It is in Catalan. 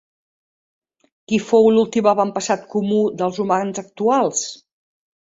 Qui fou l'últim avantpassat comú dels humans actuals?